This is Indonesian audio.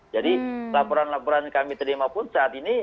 jadi laporan laporan kami terima pun saat ini